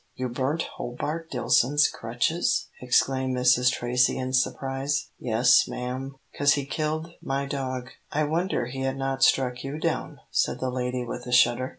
"You burnt Hobart Dillson's crutches!" exclaimed Mrs. Tracy, in surprise. "Yes, ma'am 'cause he'd killed my dog." "I wonder he had not struck you down," said the lady, with a shudder.